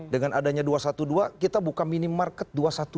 dengan adanya dua ratus dua belas kita buka minimarket dua ratus dua belas